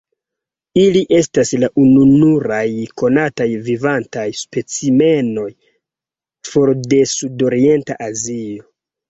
Ili estas la ununuraj konataj vivantaj specimenoj for de Sudorienta Azio.